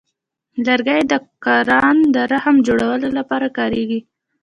لرګی د قران د رحل جوړولو لپاره کاریږي.